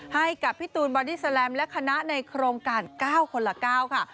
ให้กับพี่ตูนบอดี้แลมและคณะในโครงการ๙คนละ๙ค่ะ